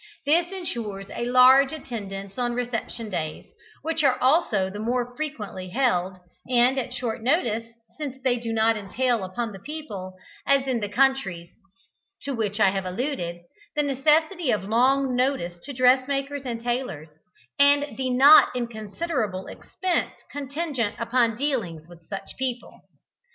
This ensures a large attendance on reception days, which are also the more frequently held, and at short notice, since they do not entail upon the people, as in the countries to which I have alluded, the necessity of long notice to dress makers and tailors, and the not inconsiderable expense contingent upon dealings with such people.